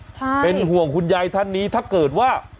ใช่เป็นห่วงคุณยายท่านนี้ถ้าเกิดว่า